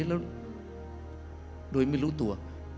แล้วโดยไม่รู้ตัว